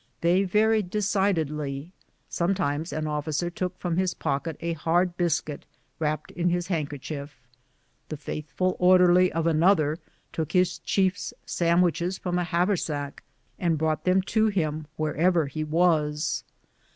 They varied decidedly ; sometimes an officer took from his pocket a hard biscuit vtu'apped in his handkerchief ; the faithful orderly of another took his chief's sandwiches from his own haversack and brought them to him, wherever he was.